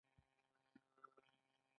هغوی له دې دوو منطقي ځانګړتیاوو برخمن وو.